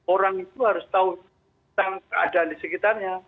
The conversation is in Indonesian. orang itu harus tahu tentang keadaan di sekitarnya